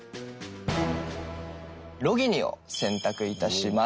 ロギニを選択いたします。